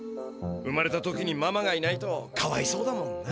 生まれた時にママがいないとかわいそうだもんな。